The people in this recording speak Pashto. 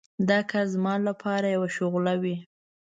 دا کار زما لپاره یوه مشغله وي.